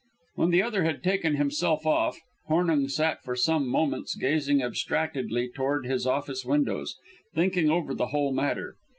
When the other had taken himself off, Hornung sat for some moments gazing abstractedly toward his office windows, thinking over the whole matter.